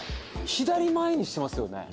左前にしてますよね。